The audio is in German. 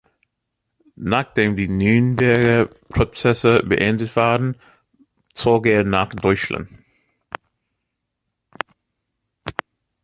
Nachdem die Nürnberger Prozesse beendet waren, zog er nach Deutschland.